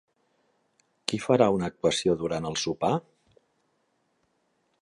Qui farà una actuació durant el sopar?